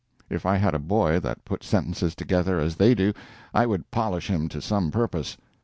If I had a boy that put sentences together as they do, I would polish him to some purpose.